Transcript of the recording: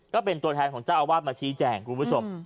ก็เป็นตัวแทนของเจ้าอาวาสมาชี้แจ่งคุณผู้ชม